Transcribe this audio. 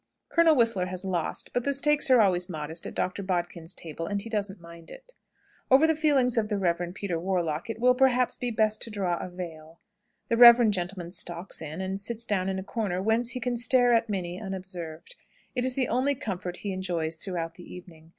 Colonel Whistler has lost, but the stakes are always modest at Dr. Bodkin's table, and he doesn't mind it. Over the feelings of the Rev. Peter Warlock it will, perhaps, be best to draw a veil. The reverend gentleman stalks in, and sits down in a corner, whence he can stare at Minnie unobserved. It is the only comfort he enjoys throughout the evening.